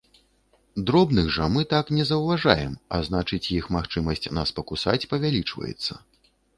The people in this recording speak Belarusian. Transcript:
Дробных жа мы так не заўважаем, а значыць, іх магчымасць нас пакусаць павялічваецца.